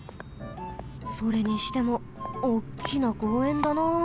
それにしてもおっきな公園だな。